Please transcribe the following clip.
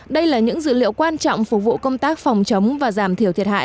đây là những dữ liệu quan trọng phục vụ công tác phòng chống và giảm thiểu thiệt hại